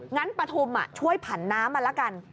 งั้นปธุมธานีช่วยผันน้ำมาแล้วกัน